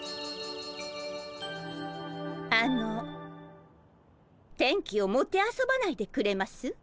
あの天気をもてあそばないでくれます？